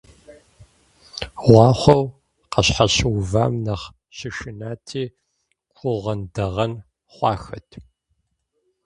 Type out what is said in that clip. Гъуахъуэу къащхьэщыувам нэхъ щышынати, гугъэндэгъэн хъуахэт.